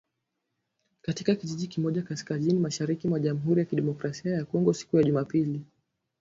katika kijiji kimoja kaskazini mashariki mwa Jamhuri ya Kidemokrasia ya Kongo siku ya Jumapili